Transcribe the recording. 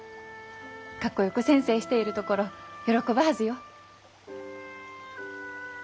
格好よく先生しているところ喜ぶはずよ。